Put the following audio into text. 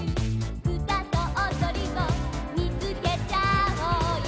「うたとおどりを見つけちゃおうよ」